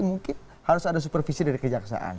mungkin harus ada supervisi dari kejaksaan